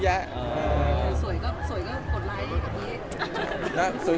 สวยก็กดไลก์